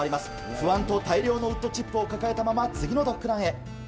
不安と大量のウッドチップを抱えたまま、次のドッグランへ。